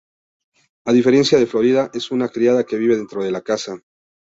A diferencia de Florida, es una criada que vive dentro de la casa.